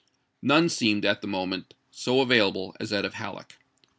None seemed at the moment so available as that of Hal leck.